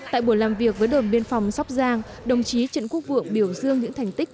tại buổi làm việc với đồn biên phòng sóc giang đồng chí trần quốc vượng biểu dương những thành tích